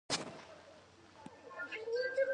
بزګان د افغانستان د بشري فرهنګ برخه ده.